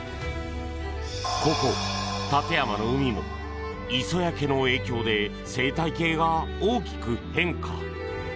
ここ、館山の海も磯焼けの影響で生態系が大きく変化。